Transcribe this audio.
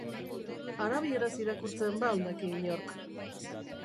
Arabieraz irakurtzen ba al daki inork?